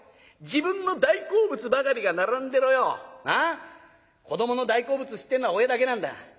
自分の大好物ばかりが並んでろよなあ子どもの大好物知ってんのは親だけなんだ。